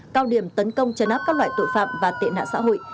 cao điểm tấn công chấn áp các loại tội phạm và tệ nạn xã hội